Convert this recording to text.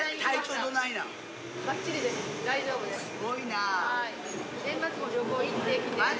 すごいな。